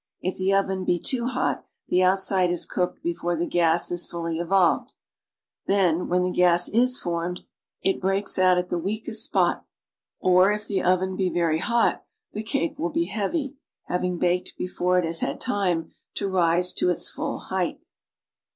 If the oven be too hot, the outside is cooked before the gas is fully evolved; then, when the gas is formed, it breaks out at the weakest spot, or, if the oven be very hot, the cake will be heavy, ha^ ing baked before it has had time to rise to its full height.